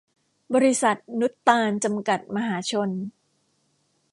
บริษัท นุตตาร จำกัด มหาชน